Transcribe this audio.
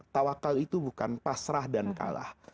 tawakal itu bukan pasrah dan kalah